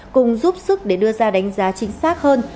cùng giúp sức để đưa ra đánh giá chính xác hơn